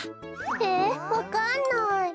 えわかんない。